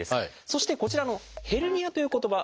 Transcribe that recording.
そしてこちらの「ヘルニア」という言葉。